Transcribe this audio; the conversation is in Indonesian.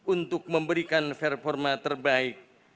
untuk memberikan performa terbaik